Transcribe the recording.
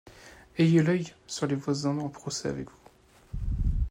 Ayez l’œil sur les voisins en procès avec vous.